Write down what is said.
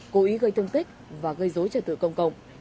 cố ý gây thương tích và gây dối trật tự công cộng